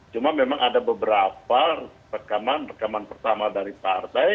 cuma memang ada beberapa rekaman rekaman pertama dari partai